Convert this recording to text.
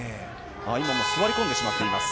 今、座り込んでしまってます。